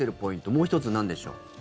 もう１つ、なんでしょう？